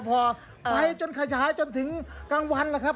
พอไปจนขยายจนถึงกลางวันนะครับ